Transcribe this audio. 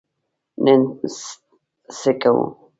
نن څه کوو؟